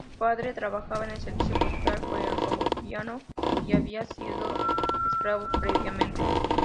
Su padre trabajaba en el servicio postal ferroviario y había sido esclavo previamente.